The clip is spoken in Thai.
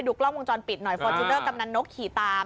กล้องวงจรปิดหน่อยฟอร์จูเนอร์กำนันนกขี่ตาม